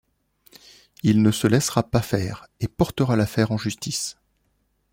Il ne se laissera pas faire et portera l'affaire en justice.